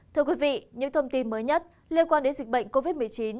thưa quý vị những thông tin mới nhất liên quan đến dịch bệnh covid một mươi chín